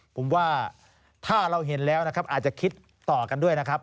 ผมว่าถ้าเราเห็นแล้วนะครับอาจจะคิดต่อกันด้วยนะครับ